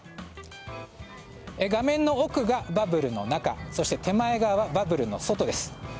画面の奥がバブルの中そして手前側がバブルの外です。